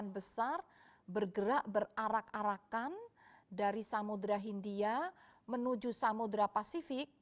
bergerak berarak arakan dari samudera hindia menuju samudera pasifik